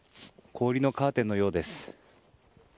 氷のカーテンのようです。